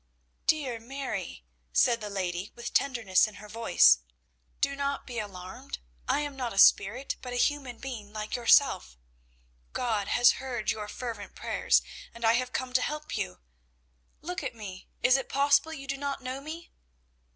_] "Dear Mary," said the lady, with tenderness in her voice, "do not be alarmed; I am not a spirit, but a human being like yourself. God has heard your fervent prayers, and I have come to help you. Look at me; is it possible you do not know me?"